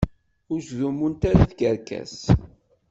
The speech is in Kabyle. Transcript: Ur ttdumunt ara tkerkas.